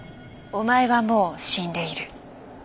「おまえはもう死んでいる」。